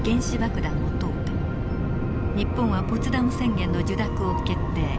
日本はポツダム宣言の受諾を決定。